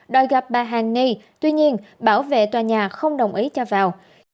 đòi gặp bà hàng ni tuy nhiên bảo vệ tòa nhà không đồng ý cho vào